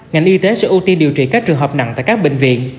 ngành y tế sẽ ưu tiên điều trị các trường hợp nặng tại các bệnh viện